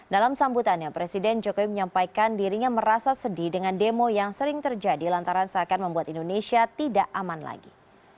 dalam sambutannya presiden jokowi menyampaikan dirinya merasa sedih dengan demo yang sering terjadi lantaran seakan membuat indonesia tidak aman lagi